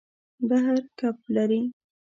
بحر کب لري.